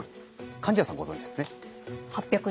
貫地谷さんご存じですね。